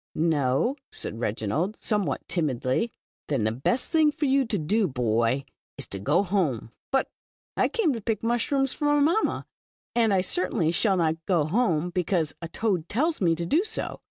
" "No," said Reginald, somewhat timidly. *'Then the best thin.^ for vou to do. bov, is to go home. "'* But, I came to pick mushrooms for mv mamma, and I certainly shall not go home because a toad tells me to do so.